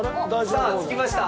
さあ着きました。